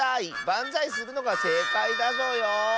ばんざいするのがせいかいだぞよ。